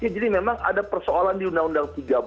jadi memang ada persoalan di undang undang tiga belas